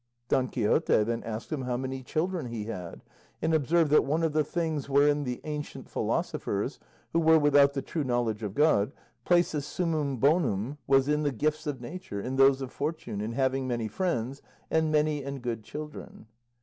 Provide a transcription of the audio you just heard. Don Quixote then asked him how many children he had, and observed that one of the things wherein the ancient philosophers, who were without the true knowledge of God, placed the summum bonum was in the gifts of nature, in those of fortune, in having many friends, and many and good children.